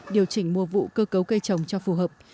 điều chỉnh mùa vụ cơ cấu cây trồng cho phù hợp